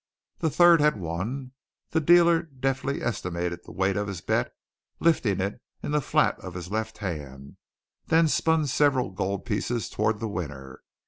The third had won; the dealer deftly estimated the weight of his bet, lifting it in the flat of his left hand; then spun several gold pieces toward the winner.